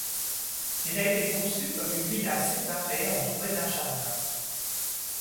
Elle a été conçue comme une villa séparée, entourée d'un jardin.